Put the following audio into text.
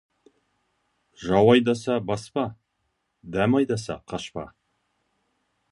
Жау айдаса, баспа, дәм айдаса, қашпа.